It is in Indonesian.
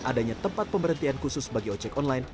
adanya tempat pemberhentian khusus bagi ojek online